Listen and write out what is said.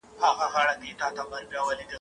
او له واکه یې وتلی وو هر غړی !.